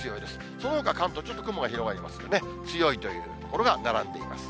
そのほか関東、ちょっと雲が広がりますんでね、強いという所が並んでいます。